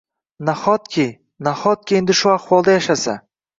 Nahotki, nahotki endi shu ahvolda yashasa?!